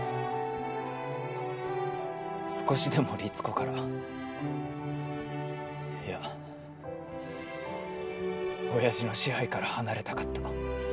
少しでもリツコからいや親父の支配から離れたかった。